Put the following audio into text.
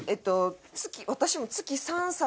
私も月３冊。